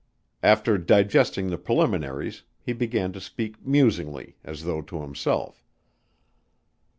After digesting the preliminaries, he began to speak musingly, as though to himself.